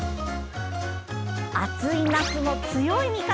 暑い夏の強い味方！